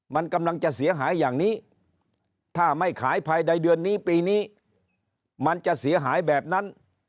มันกำลังจะเสียหายอย่างนี้ถ้าไม่ขายภายในเดือนนี้ปีนี้มันจะเสียหายแบบนั้น